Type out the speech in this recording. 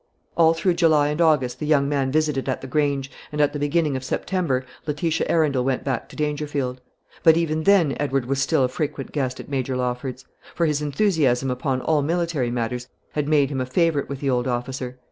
All through July and August the young man visited at the Grange, and at the beginning of September Letitia Arundel went back to Dangerfield. But even then Edward was still a frequent guest at Major Lawford's; for his enthusiasm upon all military matters had made him a favourite with the old officer.